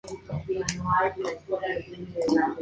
Pero un monstruo ataca a los bañistas...